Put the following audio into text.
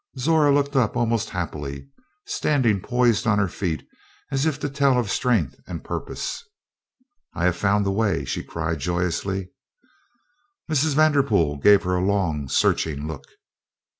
Zora looked up, almost happily standing poised on her feet as if to tell of strength and purpose. "I have found the Way," she cried joyously. Mrs. Vanderpool gave her a long searching look.